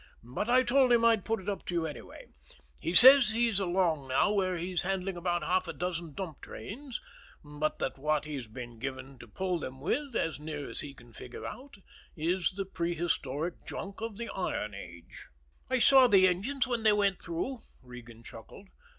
But I told him I'd put it up to you, anyway. He says he's along now where he is handling about half a dozen dump trains, but that what he has been given to pull them with, as near as he can figure out, is the prehistoric junk of the iron age." "I saw the engines when they went through," Regan chuckled.